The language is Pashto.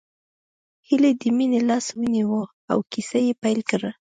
هيلې د مينې لاس ونيو او کيسه يې پيل کړه